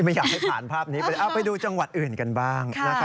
ไม่อยากให้ผ่านภาพนี้ไปเลยไปดูจังหวัดอื่นกันบ้าง